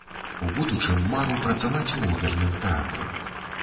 У будучым мару працаваць у оперным тэатры.